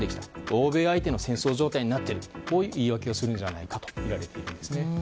欧米相手の戦争状態になっているという言い訳をするんじゃないかとみられているんです。